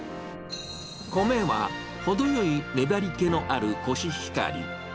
米は程よい粘り気のあるコシヒカリ。